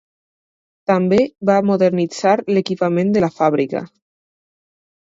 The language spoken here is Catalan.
També va modernitzar l'equipament de la fàbrica.